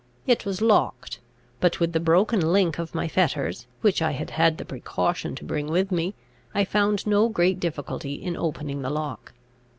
It was locked; but, with the broken link of my fetters, which I had had the precaution to bring with me, I found no great difficulty in opening the lock.